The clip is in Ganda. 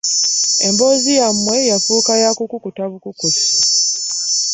Emboozi yamwe yafuuka yakukuta bukukusi.